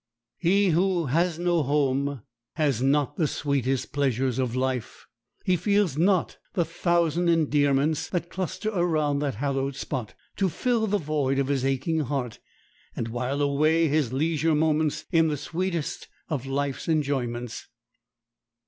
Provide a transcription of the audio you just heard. He who has no home has not the sweetest pleasures of life. He feels not the thousand endearments that cluster around that hallowed spot, to fill the void of his aching heart, and while away his leisure moments in the sweetest of life's enjoyments.